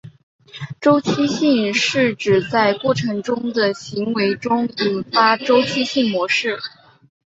周期性是指在过程的行为中引发周期性模式。